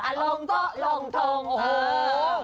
อารมณ์ก็ลงทง